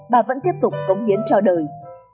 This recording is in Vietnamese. bà vẫn tiếp tục cống hiến cho đời